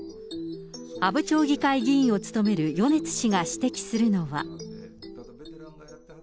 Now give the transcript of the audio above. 阿武町議会議員を務める米津氏が指摘するのは。